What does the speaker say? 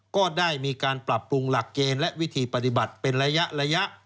ก็ได้มีการปรับปรุงหลักเกณฑ์และวิธีปฏิบัติเป็นระยะ